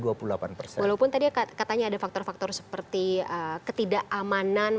walaupun tadi katanya ada faktor faktor seperti ketidakamanan